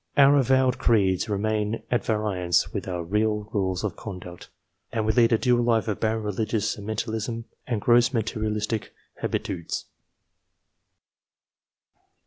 Our avowed creeds remain at variance with our real rules of conduct, and we lead a dual life of barren religious sentimentalism and gross materialistic habitudes.